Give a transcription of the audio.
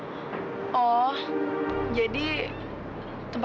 kalau aku kalau ngelakar